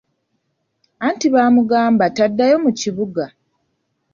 Anti baamugamba taddayo mu kibuga.